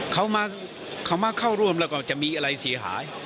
เขามาเข้าร่วมแล้วก็จะมีอะไรเสียหาย